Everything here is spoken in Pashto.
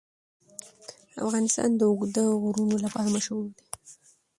افغانستان د اوږده غرونه لپاره مشهور دی.